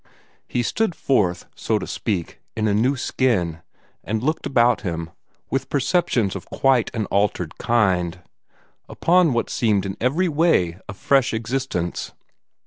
He stood forth, so to speak, in a new skin, and looked about him, with perceptions of quite an altered kind, upon what seemed in every way a fresh existence.